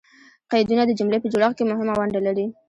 قیدونه د جملې په جوړښت کښي مهمه ونډه لري.